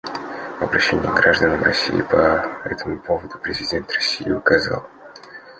В обращении к гражданам России по этому поводу президент России указал: